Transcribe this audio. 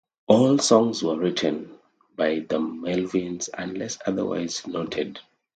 All songs written by the Melvins unless otherwise noted.